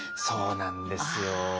そうなんですよ。